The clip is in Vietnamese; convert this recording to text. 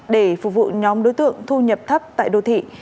để phục vụ nhóm đối tượng thu nhập thấp tại đô thị